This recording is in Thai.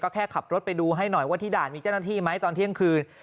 แค่ขับรถไปดูให้หน่อยว่าที่ด่านมีเจ้าหน้าที่ไหมตอนเที่ยงคืน